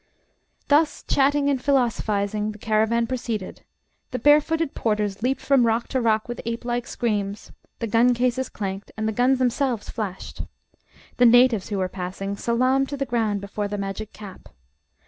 Thus chatting and philosophising, the caravan proceeded. The barefooted porters leaped from rock to rock with ape like screams. The guncases clanked, and the guns themselves flashed. The natives who were passing, salaamed to the ground before the magic cap.